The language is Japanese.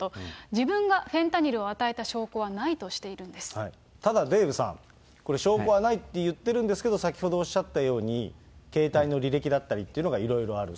自分がフェンタニルを与えた証拠ただ、デーブさん、これ、証拠はないって言ってるんですけれども、先ほどおっしゃったように、携帯の履歴だったりっていうのがいろいろある。